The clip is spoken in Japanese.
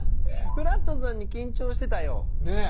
フラットさんに緊張してたよ。